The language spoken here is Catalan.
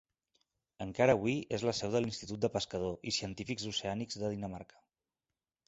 Encara avui és la seu de l'Institut de Pescador i Científics Oceànics de Dinamarca.